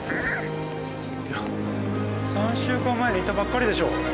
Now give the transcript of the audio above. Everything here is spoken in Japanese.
いや３週間前に行ったばっかりでしょ。